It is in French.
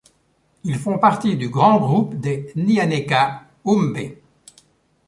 Ils font partie du grand groupe des Nyaneka-Humbe.